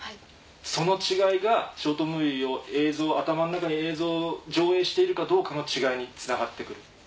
その違いが頭の中に映像を上映しているかどうかの違いにつながって来る。